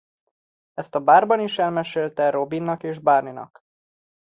Ezt a bárban is elmesélte Robinnak és Barneynak.